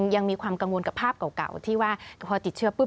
ยังมีความกังวลกับภาพเก่าที่ว่าพอติดเชื้อปุ๊